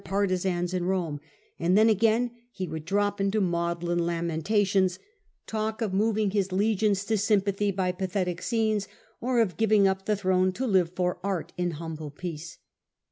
tisans in Rome and then again he would drop into maudlin lamentations, talk of moving his A.o. 54 68. Nero, I2I legions to sympathy by pathetic scenes, or of giving up the throne to live for art in humble peace.